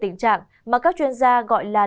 tình trạng mà các chuyên gia gọi là